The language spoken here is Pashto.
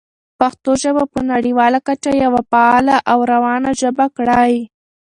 پښتو ژبه په نړیواله کچه یوه فعاله او روانه ژبه کړئ.